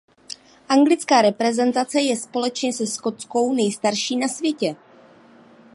Anglická reprezentace je společně se skotskou nejstarší na světě.